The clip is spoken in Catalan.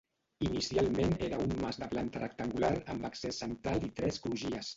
Inicialment era un mas de planta rectangular amb accés central i tres crugies.